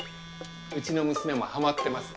うちの娘もハマってます。